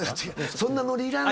そんなノリいらんの。